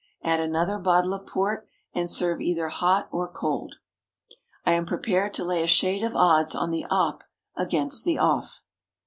Add another bottle of port, and serve either hot or cold. I am prepared to lay a shade of odds on the "op" against the "off."